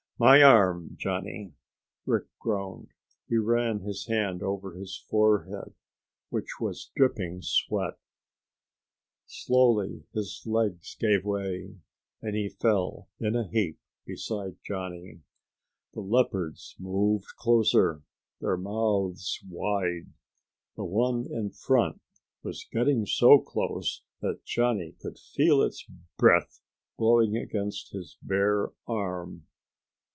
"My arm, Johnny!" Rick groaned. He ran his hand over a forehead which was dripping sweat. Slowly his legs gave way and he fell in a heap beside Johnny. The leopards moved closer, their mouths wide. The one in front was getting so close that Johnny could feel its breath blowing against his bare arm.